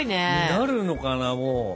なるのかなもう。